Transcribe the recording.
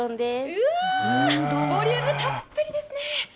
うわあボリュームたっぷりですね。